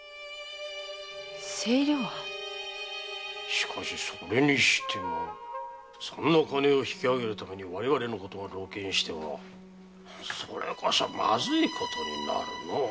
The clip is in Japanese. しかしそれにしてもそんな金を引き上げるために我々のことが露見してはそれこそまずいことになるのう。